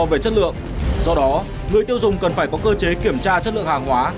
về chất lượng do đó người tiêu dùng cần phải có cơ chế kiểm tra chất lượng hàng hóa